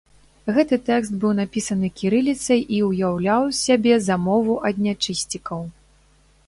Гэты тэкст быў напісаны кірыліцай і ўяўляў з сябе замову ад нячысцікаў.